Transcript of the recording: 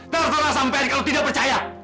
terserah sampean kalau tidak percaya